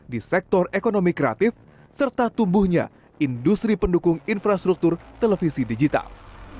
di sektor ekonomi kreatif serta tumbuhnya industri pendukung infrastruktur televisi digital